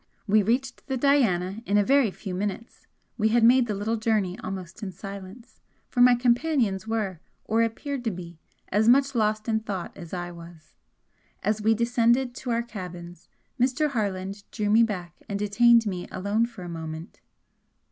We reached the 'Diana' in a very few minutes we had made the little journey almost in silence, for my companions were, or appeared to be, as much lost in thought as I was. As we descended to our cabins Mr. Harland drew me back and detained me alone for a moment.